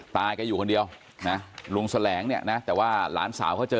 แกอยู่คนเดียวนะลุงแสลงเนี่ยนะแต่ว่าหลานสาวเขาเจอ